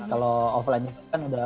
kalau offline event kan udah fix